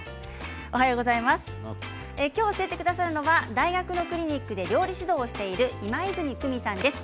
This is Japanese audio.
今日、教えてくださるのは大学のクリニックで料理指導をしている今泉久美さんです。